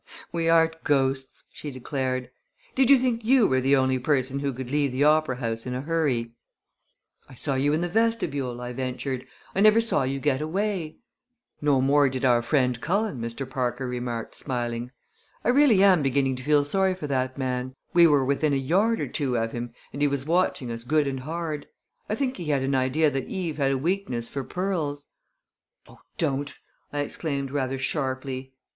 "We aren't ghosts!" she declared. "Did you think you were the only person who could leave the opera house in a hurry?" "I saw you in the vestibule," I ventured. "I never saw you get away." "No more did our friend Cullen," Mr. Parker remarked, smiling. "I really am beginning to feel sorry for that man. We were within a yard or two of him and he was watching us good and hard. I think he had an idea that Eve had a weakness for pearls." "Oh, don't!" I exclaimed rather sharply.